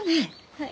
はい。